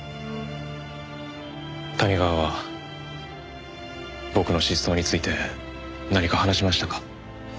谷川は僕の失踪について何か話しましたか？